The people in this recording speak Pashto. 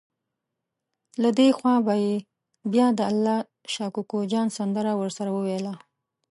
له دې خوا به یې بیا د الله شا کوکو جان سندره ورسره وویله.